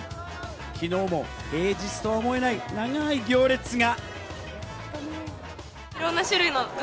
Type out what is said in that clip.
昨日も平日とは思えない、長い行列が。